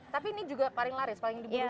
tapi ini juga paling laris paling diburu sekarang